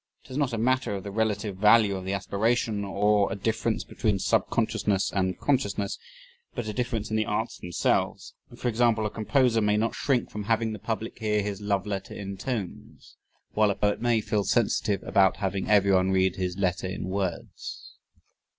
It is not a matter of the relative value of the aspiration, or a difference between subconsciousness and consciousness but a difference in the arts themselves; for example, a composer may not shrink from having the public hear his "love letter in tones," while a poet may feel sensitive about having everyone read his "letter in words."